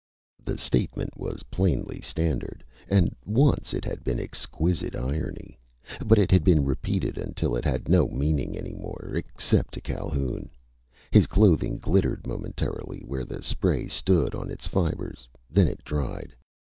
The statement was plainly standard, and once it had been exquisite irony. But it had been repeated until it had no meaning any more, except to Calhoun. His clothing glittered momentarily where the spray stood on its fibres. Then it dried.